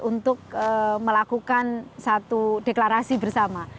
untuk melakukan satu deklarasi bersama